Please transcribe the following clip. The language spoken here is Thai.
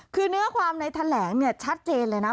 คือเนื้อความในแถลงเนี่ยชัดเจนเลยนะ